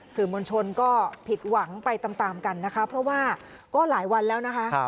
สื่อมวลชนก็ผิดหวังไปตามตามกันนะคะเพราะว่าก็หลายวันแล้วนะคะ